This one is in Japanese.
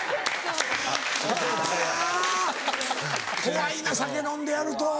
怖いな酒飲んでやると。